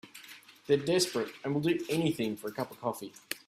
They're desperate and will do anything for a cup of coffee.